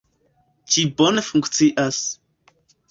Ĝi bone funkcias.